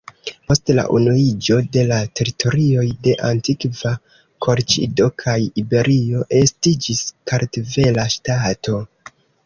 Post la unuiĝo de la teritorioj de antikva Kolĉido kaj Iberio estiĝis Kartvela ŝtato.